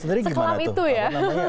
sekelam itu ya